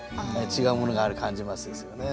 違うものがある感じますですよね。